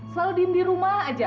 selalu diem di rumah aja